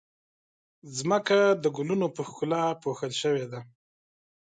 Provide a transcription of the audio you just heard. ځمکه د ګلونو په ښکلا پوښل شوې ده.